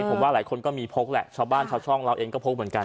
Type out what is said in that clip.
ผมว่าหลายคนก็มีพกแหละชาวบ้านชาวช่องเราเองก็พกเหมือนกัน